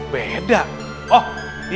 bukan kayak sobri